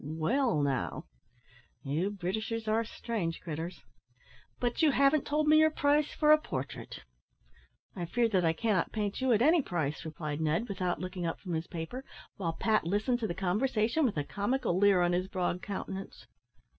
"Wall, now, you Britishers are strange critters. But you haven't told me your price for a portrait." "I fear that I cannot paint you at any price," replied Ned, without looking up from his paper, while Pat listened to the conversation with a comical leer on his broad countenance.